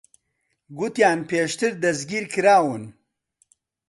گوتیان پێشتر دەستگیر کراون.